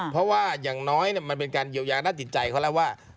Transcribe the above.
เพราะว่าอย่างน้อยมันเป็นการเยียวยาด้านจิตใจเขาแล้วว่า